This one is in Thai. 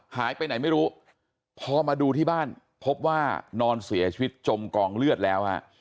หายไปไหนไม่รู้พอมาดูที่บ้านพบว่านอนเสียชีวิตจมกองเลือดแล้วฮะ